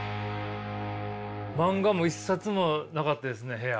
漫画も一冊もなかったですね部屋。